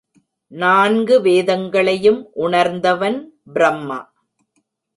நான்கு வேதங்களையும் உணர்ந்தவன் பிரமா.